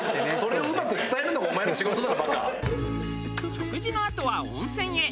食事のあとは温泉へ。